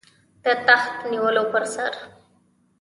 د تخت نیولو پر سر.